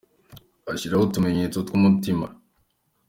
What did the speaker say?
ashyiraho utumenyetso tw’umutima.